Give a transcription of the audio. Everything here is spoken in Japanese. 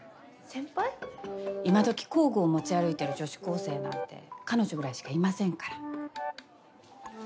今どき工具を持ち歩いてる女子高生なんて彼女ぐらいしかいませんから。